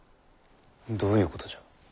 どういうことじゃ？